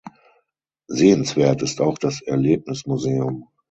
Sehenswert ist auch das Erlebnismuseum.